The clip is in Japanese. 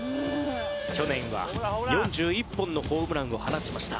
去年は４１本のホームランを放ちました。